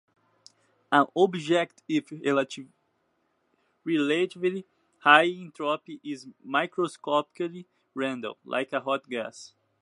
An object with relatively high entropy is microscopically random, like a hot gas.